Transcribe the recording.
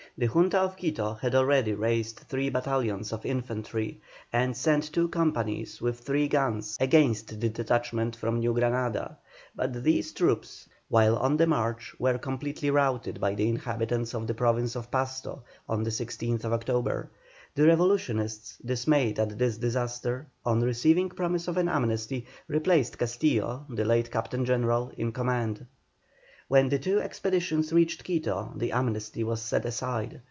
The Junta of Quito had already raised three battalions of infantry, and sent two companies with three guns against the detachment from New Granada, but these troops, while on the march, were completely routed by the inhabitants of the Province of Pasto on the 16th October. The revolutionists, dismayed at this disaster, on receiving promise of an amnesty, replaced Castillo, the late captain general, in command. When the two expeditions reached Quito the amnesty was set aside.